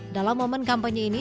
dalam momen kampanye ini